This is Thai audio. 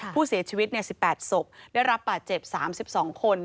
ผู้เสียชีวิต๑๘ศพได้รับบาดเจ็บ๓๒คน